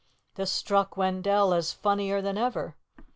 This struck Wendell as funnier than ever.